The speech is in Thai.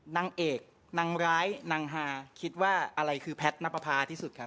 นางเอกนางร้ายนางฮาคิดว่าอะไรคือแพทย์นับประพาที่สุดครับ